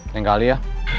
yang kali ya